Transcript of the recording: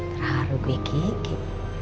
terharu gue kiki